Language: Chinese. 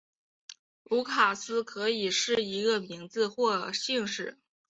卢卡斯可以是一个名字或姓氏。